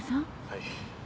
はい。